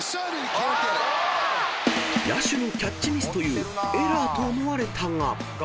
［野手のキャッチミスというエラーと思われたが］